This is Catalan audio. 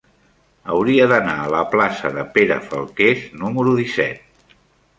Hauria d'anar a la plaça de Pere Falqués número disset.